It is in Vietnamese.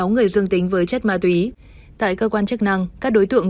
một mươi sáu người dương tính với chất ma túy tại cơ quan chức năng các đối tượng